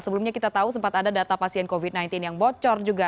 sebelumnya kita tahu sempat ada data pasien covid sembilan belas yang bocor juga